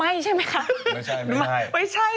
ที่จริงใหม่ที่ได้